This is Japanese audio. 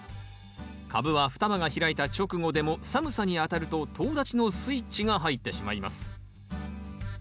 カブは双葉が開いた直後でも寒さにあたるととう立ちのスイッチが入ってしまいます。